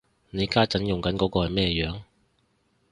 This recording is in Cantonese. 你家陣用緊嗰個係咩樣